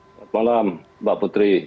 selamat malam mbak putri